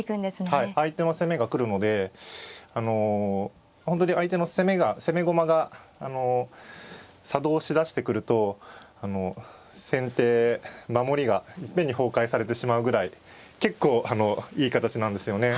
はい相手の攻めが来るのであの本当に相手の攻めが攻め駒が作動しだしてくると先手守りがいっぺんに崩壊されてしまうぐらい結構いい形なんですよね。